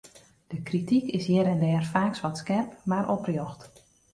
De krityk is hjir en dêr faaks wat skerp, mar oprjocht.